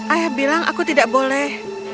ayah bilang aku tidak boleh